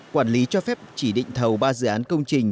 quản lý cho phép chỉ định thầu ba dự án công trình